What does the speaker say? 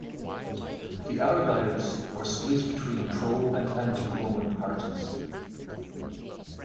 The Argives were split between pro-and-anti-Roman parties.